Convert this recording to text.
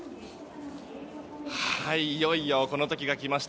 いよいよこの時が来ました。